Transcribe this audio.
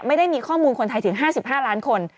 ไม่ได้มีข้อมูลคนไทยถึง๕๕ล้านคน